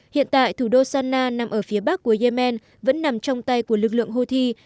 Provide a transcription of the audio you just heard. hiện tại thủ đô sana nằm ở phía bắc của yemen vẫn nằm trong tay của lực lượng houthi